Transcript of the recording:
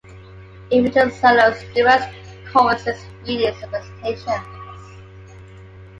It featured solos, duets, choruses, readings, and recitations.